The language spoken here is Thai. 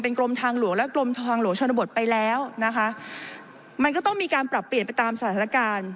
ไปแล้วนะคะมันก็ต้องมีการปรับเปลี่ยนไปตามสถานการณ์